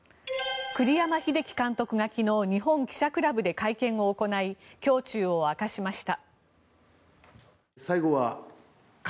栗山英樹監督が昨日日本記者クラブで会見を行い胸中を明かしました。